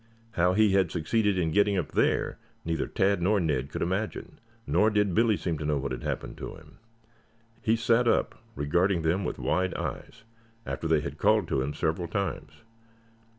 How he had succeeded in getting up there neither Tad nor Ned could imagine, nor did Billy seem to know what had happened to him. He sat up, regarding them with wide eyes, after they had called to him several times.